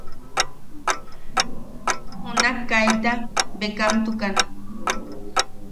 Junak kaita bekamtuka.